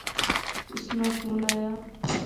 سناں فون آیا